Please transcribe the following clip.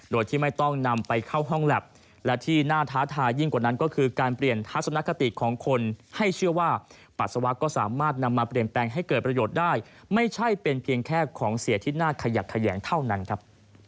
โดยที่ไม่ต้องนำไปเข้าห้องแล็บและที่น่าท้าทายยิ่งกว่านั้นก็คือการเปลี่ยนทัศนคติของคนให้เชื่อว่าปัสสาวะก็สามารถนำมาเปลี่ยนแปลงให้เกิดประโยชน์ได้ไม่ใช่เป็นเพียงแค่ของเสียที่น่าขยักแขยงเท่านั้นครับ